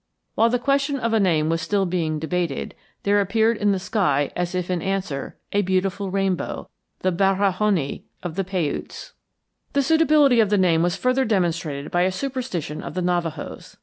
While the question of a name was still being debated, there appeared in the sky, as if in answer, a beautiful rainbow, the 'Barahoni' of the Paiutes. "The suitability of the name was further demonstrated by a superstition of the Navajos.